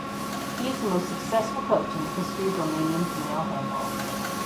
He is the most successful coach in the history of Romanian female handball.